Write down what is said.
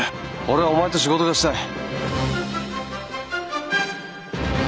俺はお前と仕事がしたい。